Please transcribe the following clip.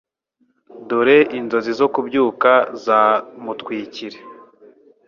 Dore Inzozi zo kubyuka zamutwikire